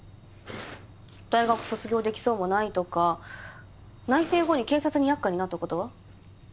大学卒業できそうもないとか内定後に警察に厄介になった事は？